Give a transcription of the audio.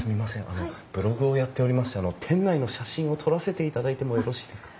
あのブログをやっておりまして店内の写真を撮らせていただいてもよろしいですか？